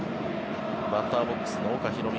バッターボックスの岡大海。